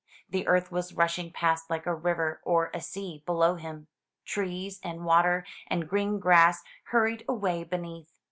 The earth was rushing past like a river or a sea below him. Trees, and water, and green grass hurried away beneath.